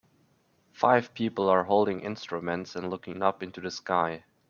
Five people are holding instruments and looking up into the sky.